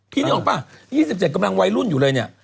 นึกออกป่ะ๒๗กำลังวัยรุ่นอยู่เลยเนี่ย